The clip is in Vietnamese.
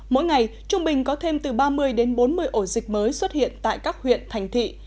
mỗi ngày trung bình có thêm từ ba mươi đến bốn mươi ổ dịch mới xuất hiện tại các huyện thành thị